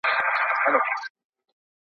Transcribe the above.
د کور مغول مو له نکلونو سره لوبي کوي